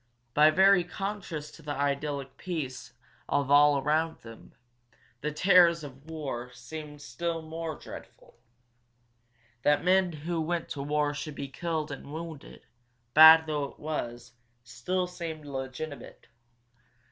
By very contrast to the idyllic peace of all about them, the terrors of war seemed more dreadful. That men who went to war should be killed and wounded, bad though it was, still seemed legitimate.